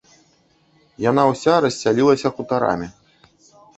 Яна ўся рассялілася хутарамі.